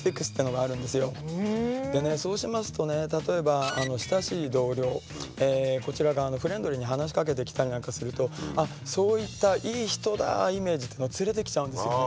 そうしますとね例えば親しい同僚こちらがフレンドリーに話しかけてきたりなんかするとそういったいい人だイメージっていうのを連れてきちゃうんですよ。